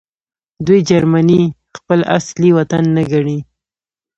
دوی جرمني خپل اصلي وطن نه ګڼي